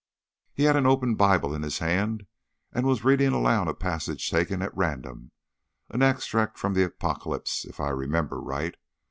He held an open Bible in his hand, and was reading aloud a passage taken at random an extract from the Apocalypse, if I remember right.